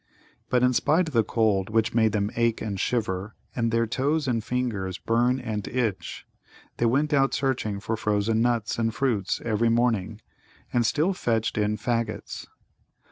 But in spite of the cold which made them ache and shiver, and their toes and fingers burn and itch, they went out searching for frozen nuts and fruits every morning, and still fetched in faggots.